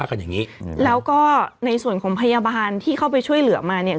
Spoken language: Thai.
ใช่แล้วก็ในส่วนของพยาบาลที่เข้าไปช่วยเหลือมาเนี่ย